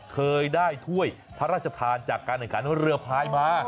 เคยได้ถ้วยพระราชทานจากการแข่งขันเรือพายมา